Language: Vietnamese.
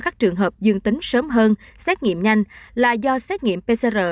các trường hợp dương tính sớm hơn xét nghiệm nhanh là do xét nghiệm pcr